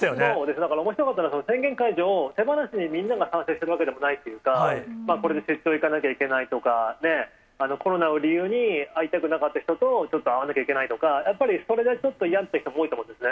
だからおもしろかったのは、その宣言解除を手放しにみんなが賛成しているわけでもないというか、これで行かなきゃいけないとか、コロナを理由に会いたくなかった人とちょっと会わなきゃいけないとか、やっぱりそれがちょっと嫌になった人も多いと思うんですね。